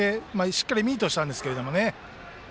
しっかりミートしたんですけどね。